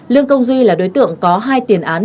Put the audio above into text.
lương công duy là đối tượng có hai tiền án